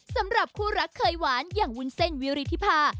สำหรับคู่รักเคยหวานอย่างวุ้นเส้นวิริธิภา